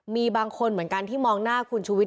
มีบางคนเหมือนกันที่มองหน้าคุณชุวิต